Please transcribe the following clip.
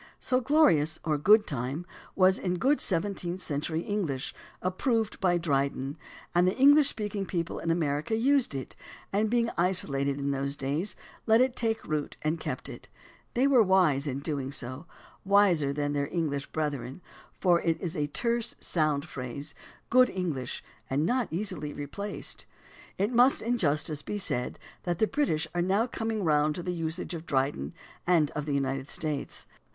So "glorious time" or "good time" was good seven teenth century English, approved by Dryden, and the English speaking people in America used it, and being isolated in those days, let it take root and kept it. They were wise in so doing, wiser than their Eng lish brethren, for it is a terse, sound phrase, good English, and not easily replaced. It must in justice be said that the British are now coming round to the usage of Dryden and of the United States.